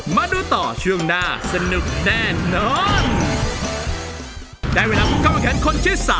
มาดูต่อช่วงหน้าสนุกแน่นอน